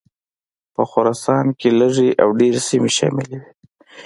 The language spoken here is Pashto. په خراسان کې لږې او ډېرې سیمې شاملي وې.